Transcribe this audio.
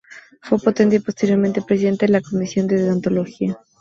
Fue ponente, y posteriormente presidente, de la Comisión de Deontología.